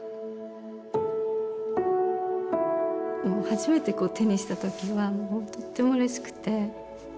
初めてこう手にした時はとってもうれしくて。